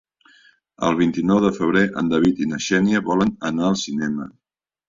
El vint-i-nou de febrer en David i na Xènia volen anar al cinema.